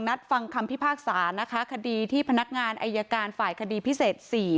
ฟังคำพิพากษานะคะคดีที่พนักงานอายการฝ่ายคดีพิเศษ๔